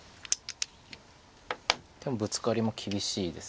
でもブツカリも厳しいです。